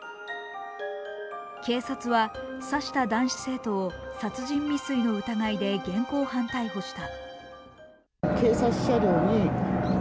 警察は刺した男子生徒を殺人未遂の疑いで現行犯逮捕した。